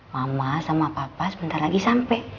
mama sama papa sebentar lagi sampai